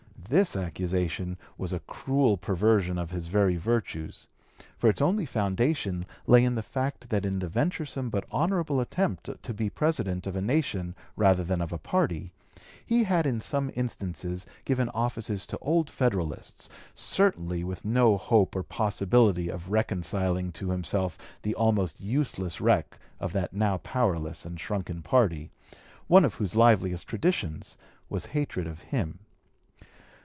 This accusation was a cruel perversion of his very virtues; for its only foundation lay in the fact that in the venturesome but honorable attempt to be President of a nation rather than of a party, he had in some instances given offices to old Federalists, certainly with no hope or possibility of reconciling to himself the almost useless wreck of that now powerless and shrunken party, one of whose liveliest traditions was hatred of him.